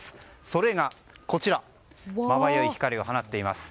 それが、こちらまばゆい光を放っています。